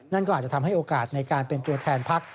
นั่นก็อาจจะทำให้โอกาสในการเป็นตัวแทนพัก